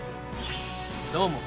どうも。